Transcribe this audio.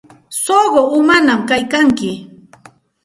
Suqu umañaq kaykanki.